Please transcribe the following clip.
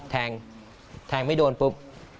แทงแทงไม่โดนปุ๊บ